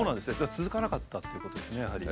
続かなかったっていうことですねやはり。